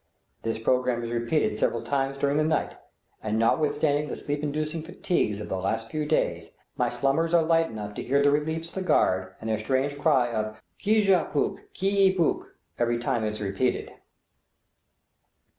This programme is repeated several times during the night, and, notwithstanding the sleep inducing fatigues of the last few days, my slumbers are light enough to hear the reliefs of the guard and their strange cry of "Kujawpuk, ki i puk" every time it is repeated.